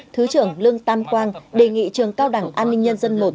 thứ trưởng lương tam quang đề nghị trường cao đẳng an ninh nhân dân i